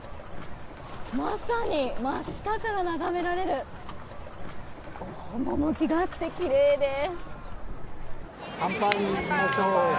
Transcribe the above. まさに、真下から眺められる趣があってきれいです。